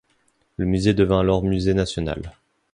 Le musée devient alors musée national.